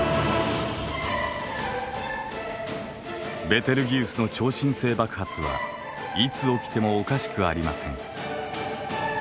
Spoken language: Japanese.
ベテルギウスの超新星爆発はいつ起きてもおかしくありません。